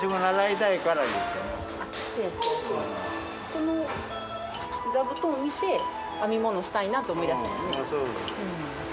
この座布団を見て編み物したいなって思いだしたんよね。